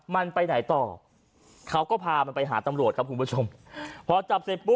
มันไปไหนต่อเขาก็พามันไปหาตำรวจครับคุณผู้ชมพอจับเสร็จปุ๊